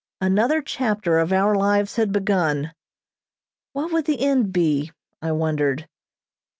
Another chapter of our lives had begun. What would the end be, I wondered.